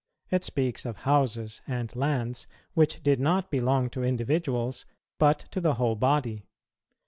It speaks of houses and lands which did not belong to individuals, but to the whole body.